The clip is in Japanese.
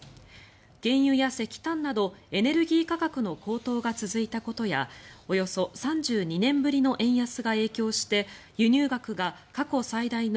原油や石炭などエネルギー価格の高騰が続いたことやおよそ３２年ぶりの円安が影響して輸入額が過去最大の